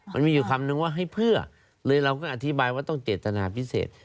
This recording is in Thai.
มันมีอยู่คำนึงว่าให้เพื่อเลยเราก็อธิบายว่าต้องเจตนาพิเศษ